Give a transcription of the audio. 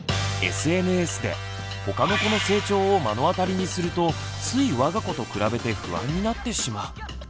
ＳＮＳでほかの子の成長を目の当たりにするとつい我が子と比べて不安になってしまう。